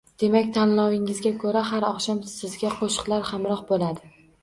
Demak, tanlovingizga koʻra, har oqshom sizga qo‘shiqlar hamroh boʻladi.